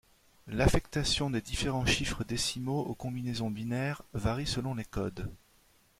L'affectation des différents chiffres décimaux aux combinaisons binaires varie selon les codes.